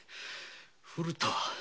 古田。